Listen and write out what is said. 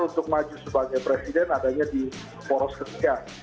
kami tidak bisa maju sebagai presiden adanya di poros ketiga